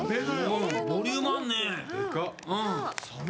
ボリュームあるね。